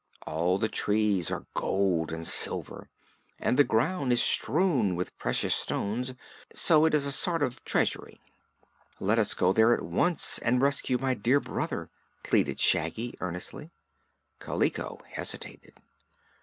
All the trees are gold and silver and the ground is strewn with precious stones, so it is a sort of treasury." "Let us go there at once and rescue my dear brother," pleaded Shaggy earnestly. Kaliko hesitated.